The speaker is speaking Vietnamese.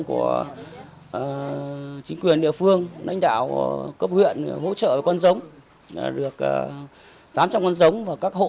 của chính quyền địa phương lãnh đạo cấp huyện hỗ trợ con giống được tám trăm linh con giống và các hộ